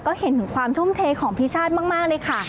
ก็เห็นถึงความทุ่มเทของพี่ชาติมากเลยค่ะ